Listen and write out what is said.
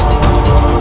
ibu naratu subanglarang